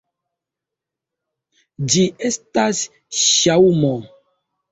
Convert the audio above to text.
Ĝi estas ŝaŭmo.